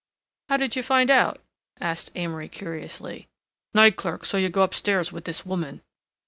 "How did you find out?" asked Amory curiously. "Night clerk saw you go up stairs with this woman."